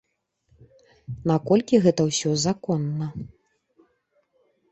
Наколькі гэта ўсё законна?